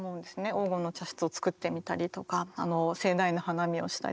黄金の茶室を作ってみたりとか盛大な花見をしたり。